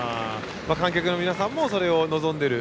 観客の皆さんもそれを望んでいる。